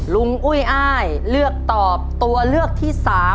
อุ้ยอ้ายเลือกตอบตัวเลือกที่๓